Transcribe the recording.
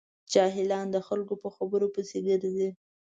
جاهلان د خلکو په خبرو پسې ګرځي.